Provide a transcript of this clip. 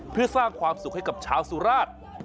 เพื่อสร้างความสุขให้กับชาวสุราช